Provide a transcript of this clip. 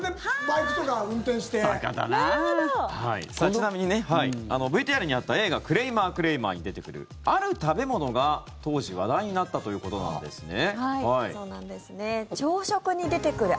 ちなみにＶＴＲにあった映画「クレイマー、クレイマー」に出てくる、ある食べ物が当時、話題になったということなんですね。